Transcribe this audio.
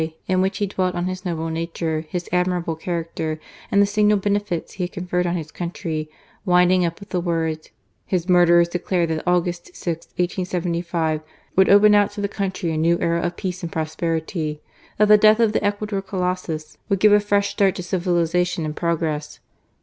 in which he dwelt on his noble nature, his admirable character, and the signal benefits he had conferred on his country, winding up with the words :His murderers declared that August 6, 1875, would open out to the country a new era of peace and prosperity; that the death of the Ecuador Colossus would give a fresh start to civilization and progress.